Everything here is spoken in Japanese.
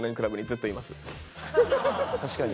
確かに。